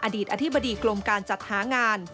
อดีตอธิบดีกรมการจัดหางาน